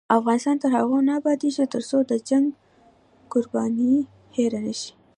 افغانستان تر هغو نه ابادیږي، ترڅو د جنګ قربانیان هیر نشي.